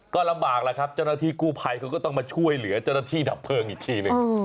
ก็ลำบากแล้วครับเจ้าหน้าที่กู้ภัยเขาก็ต้องมาช่วยเหลือเจ้าหน้าที่ดับเพลิงอีกทีหนึ่ง